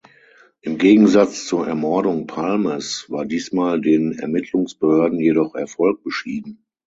Im Gegensatz zur Ermordung Palmes war diesmal den Ermittlungsbehörden jedoch Erfolg beschieden.